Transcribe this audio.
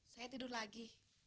saya tidur lagi